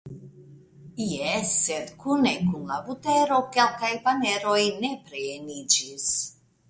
Jes, sed kune kun la butero kelkaj paneroj nepre eniĝis.